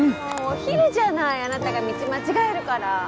もうお昼じゃないあなたが道間違えるから